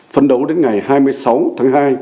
phấn đấu đến ngày hai mươi sáu tháng hai